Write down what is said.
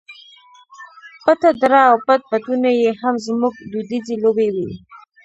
پټه دره او پټ پټونی یې هم زموږ دودیزې لوبې وې.